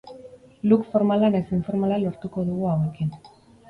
Look formala nahiz informala lortuko dugu hauekin.